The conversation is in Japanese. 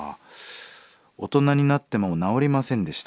「大人になっても治りませんでした。